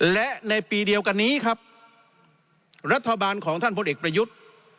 และในปีเดียวกันนี้ครับรัฐบาลของท่านพลเอกประยุทธ์